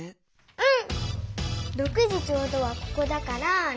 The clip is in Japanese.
うん。